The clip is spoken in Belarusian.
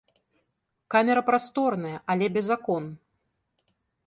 Камера прасторная, але без акон.